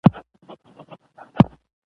د داکتر عرفان په اړه هم